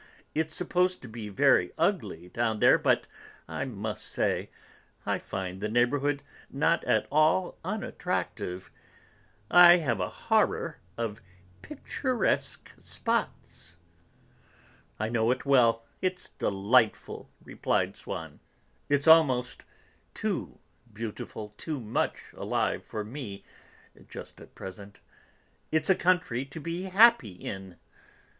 It's supposed to be very ugly down there, but I must say, I find the neighborhood not at all unattractive; I have a horror of 'picturesque spots'." "I know it well, it's delightful!" replied Swann. "It's almost too beautiful, too much alive for me just at present; it's a country to be happy in.